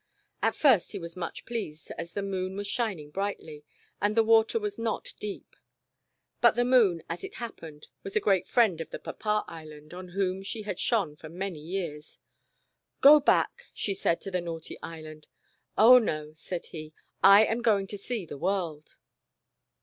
At first he was much pleased, as the Moon was shining brightly, and the water was not deep. But the Moon, as it happened, was a great The Disobedient Island. 217 friend of the Papa Island, on whom she had shone for many years. "Go back," she said to the naughty Island. "Oh, no," said he, "I am going to see the world."